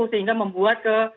sehingga membuat ke